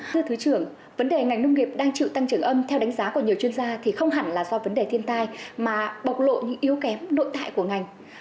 thưa thứ trưởng vấn đề ngành nông nghiệp đang chịu tăng trưởng âm theo đánh giá của nhiều chuyên gia thì không hẳn là do vấn đề thiên tai mà bộc lộ những yếu kém nội tại của ngành